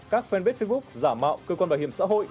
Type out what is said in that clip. các fanpage facebook giả mạo cơ quan bảo hiểm xã hội